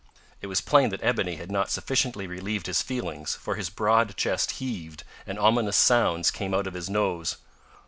It was plain that Ebony had not sufficiently relieved his feelings, for his broad chest heaved, and ominous sounds came out of his nose.